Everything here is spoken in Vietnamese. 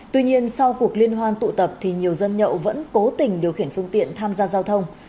tuy nhiên sau cuộc liên hoan tụ tập thì nhiều dân nhậu vẫn cố tình điều khiển phương tiện tham gia giao thông